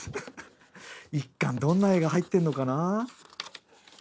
１巻どんな絵が入ってんのかな？